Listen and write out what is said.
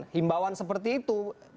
himbauan seperti itu